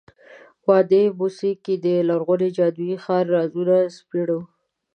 وادي موسی کې د لرغوني جادویي ښار رازونه سپړو.